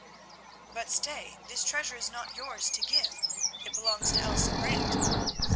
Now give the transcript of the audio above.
"But stay; this treasure is not yours to give, it belongs to Elsa Brant."